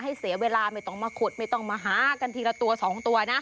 เสียเวลาไม่ต้องมาขุดไม่ต้องมาหากันทีละตัว๒ตัวนะ